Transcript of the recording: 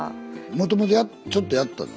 もともとちょっとやってたの？